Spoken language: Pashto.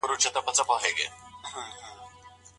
د ملاقات پر وخت د مېرمني مخ لوڅول څنګه دي؟